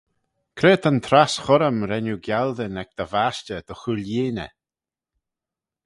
Cre ta'n trass churrym ren oo gialdyn ec dty vashtey dy chooilleeney?